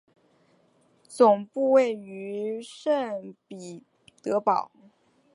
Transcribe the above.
总部位于圣彼得堡。